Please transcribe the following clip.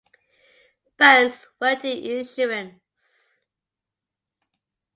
Burns worked in insurance.